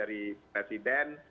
kemarin itu ada atensi dari presiden